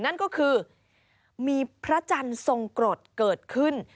นั่นก็คือมีพระจันทร์ทรงกรดเกิดขึ้น